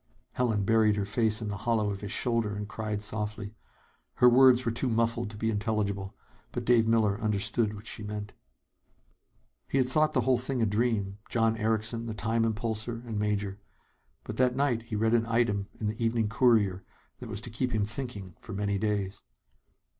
Helen buried her face in the hollow of his shoulder and cried softly. Her words were too muffled to be intelligible. But Dave Miller understood what she meant. He had thought the whole thing a dream John Erickson, the "time impulsor" and Major. But that night he read an item in the Evening Courier that was to keep him thinking for many days.